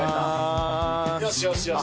よしよしよし。